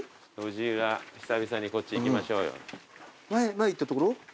前行った所？